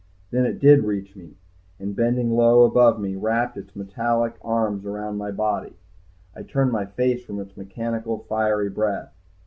Then it did reach me and, bending low above me, wrapped its metallic arms around my body. I turned my face from its mechanical, fiery breath.